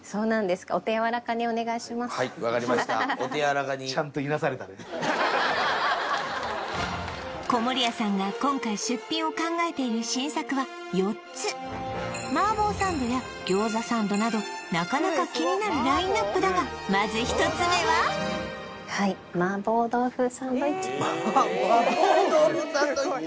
はい分かりましたお手柔らかにちゃんと籠谷さんが今回出品を考えている新作は４つ麻婆サンドや餃子サンドなどなかなか気になるラインナップだがまず１つ目は麻婆豆腐サンドイッチ？